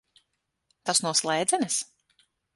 Tas no slēdzenes?